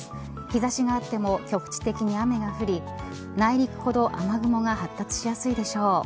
日差しがあっても局地的に雨が降り内陸ほど雨雲が発達しやすいでしょう。